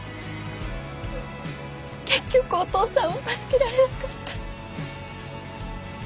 結局お父さんを助けられなかった。